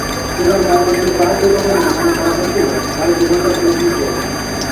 এবার মর্মান্তিক বাস দুর্ঘটনায় মনে করা হচ্ছিল, তাঁর জীবনটা বুঝি শেষ।